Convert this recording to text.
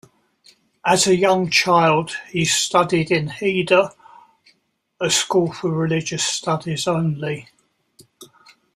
As a young child he studied in heder, a school for religious studies only.